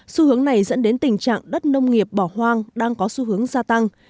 xu hướng này dẫn đến tình trạng đất nông nghiệp bỏ hoang đang có xu hướng gia tăng